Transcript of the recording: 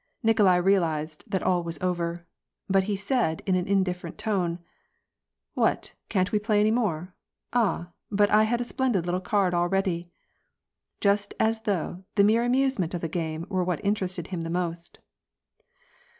Nikolai realized that all was over; but he said, in an indifferent tone, — "What, can't we play any more ? Ah, but I had a splendid little card all ready !" Just as though the mere amusement of the game were what interested him the most